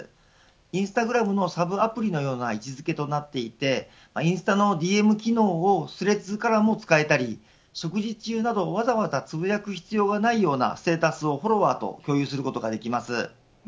インスタグラムのサブアプリのような位置付けとなっていてインスタのＤＭ機能をスレッズからも使えたり食事中など、わざわざつぶやく必要がないようなステータスをフォロワーと共有することができます。